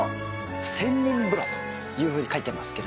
「千人風呂」というふうに書いてますけれども。